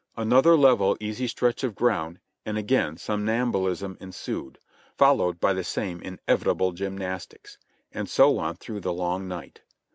Another level, easy stretch of ground and again somnambulism ensued, followed by the same inevitable gymnastics ; and so on through the long night.